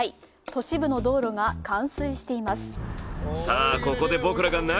都市部の道路が冠水しています。